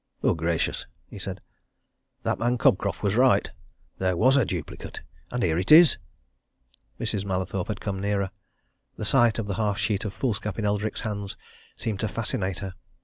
"Good gracious!" he said. "That man Cobcroft was right! There was a duplicate! And here it is!" Mrs. Mallathorpe had come nearer. The sight of the half sheet of foolscap in Eldrick's hands seemed to fascinate her.